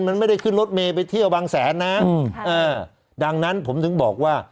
มันไม่ได้ขึ้นรถเมย์ไปเที่ยวบางแสนนะดังนั้นผมถึงบอกว่า